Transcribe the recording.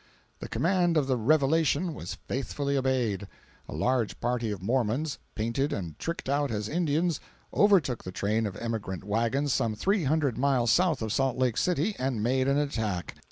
The command of the "revelation" was faithfully obeyed. A large party of Mormons, painted and tricked out as Indians, overtook the train of emigrant wagons some three hundred miles south of Salt Lake City, and made an attack.